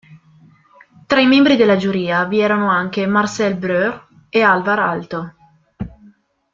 Tra i membri della giuria vi erano anche Marcel Breuer e Alvar Aalto..